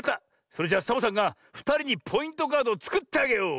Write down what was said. それじゃサボさんがふたりにポイントカードをつくってあげよう！